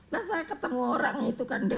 nah saya ketemu orang itu kan